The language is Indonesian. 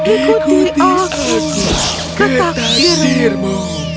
ikuti aku ketakdirmu